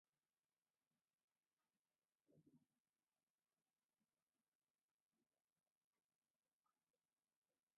Lumi sinkićhuumi śhukulluway pitwiykan.